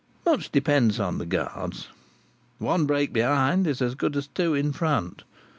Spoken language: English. Much depends upon the guards. One brake behind, is as good as two in front.